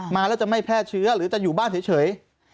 มาแล้วจะไม่แพร่เชื้อหรือจะอยู่บ้านเฉย